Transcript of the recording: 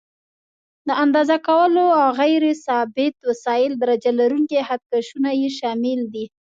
د اندازه کولو غیر ثابت وسایل: درجه لرونکي خط کشونه یې شامل دي.